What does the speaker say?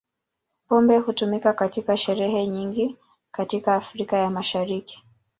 Pombe hutumika katika sherehe nyingi katika Afrika ya Mashariki.